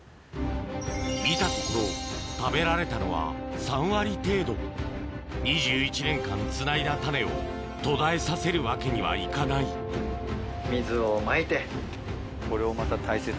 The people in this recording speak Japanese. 見たところ食べられたのは３割程度２１年間つないだ種を途絶えさせるわけにはいかない水をまいて。